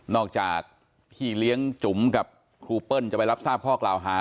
จากพี่เลี้ยงจุ๋มกับครูเปิ้ลจะไปรับทราบข้อกล่าวหา